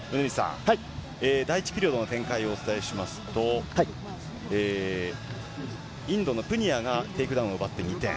第１ピリオドの展開をお伝えしますと、インドのプニアがテイクダウンを奪って２点。